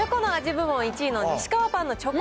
部門１位のニシカワパンのチョコ